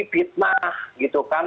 fitnah gitu kan